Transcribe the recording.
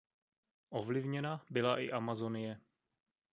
Ovlivněna byla i Amazonie.